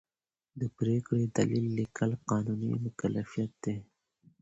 د پرېکړې دلیل لیکل قانوني مکلفیت دی.